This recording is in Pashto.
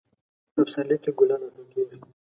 په پسرلی کې ګلان راټوکیږي.